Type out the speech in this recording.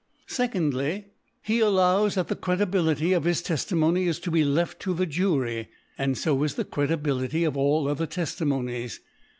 2i(y» He allows that the Credibility of his Teftimony is to be left to the Jury : and fo is the Credibility of alt other Teftimo nies.